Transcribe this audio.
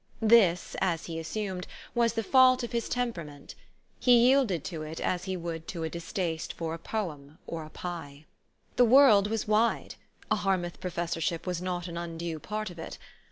This, as he assumed, was the fault of his tempera THE STORY OF AVIS. 165 xnent. He yielded to it as he would to a distaste for a poem or a pie. The world was wide. A Harmouth professorship was not an undue part of it.